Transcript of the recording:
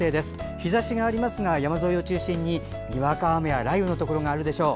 日ざしがありますが山沿いを中心ににわか雨や雷雨のところがあるでしょう。